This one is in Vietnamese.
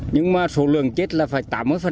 nhưng mà số lượng chết là phải tám mươi